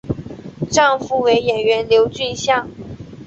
丈夫为演员刘俊相。